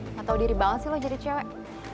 nggak tahu diri banget sih lo jadi cewek